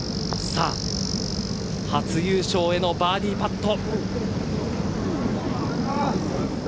初優勝へのバーディーパット。